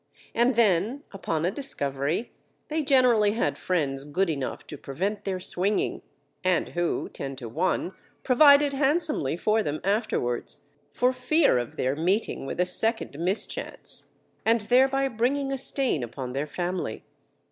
And then, upon a discovery, they generally had friends good enough to prevent their swinging, and who, ten to one, provided handsomely for them afterwards, for fear of their meeting with a second mischance, and thereby bringing a stain upon their family.